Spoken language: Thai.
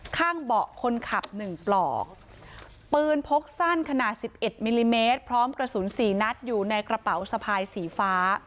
ข้างเบาะคนขับ๑ปลอกปืนพกสั้นขนาด๑๑มิลลิเมตรพร้อมกระสุน๔นัดอยู่ในกระเป๋าสะพายสีฟ้า